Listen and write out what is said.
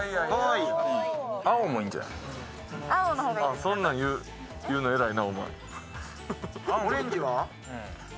そんなん言うの偉いなお前。